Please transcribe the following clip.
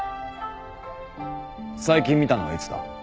最近見たのはいつだ？